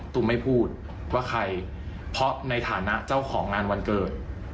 ไม่พูดว่าใครเพราะในฐานะเจ้าของงานวันเกิด